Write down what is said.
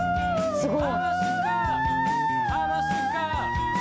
すごい！